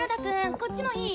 こっちもいい？